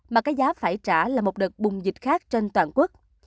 mà cái giá phải trả là một đợt bùng dịch khác trên toàn quốc